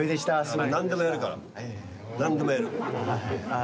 何でもやるから何でもやる。